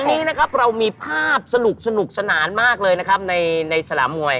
วันนี้นะครับเรามีภาพสนุกสนานมากเลยนะครับในสนามมวย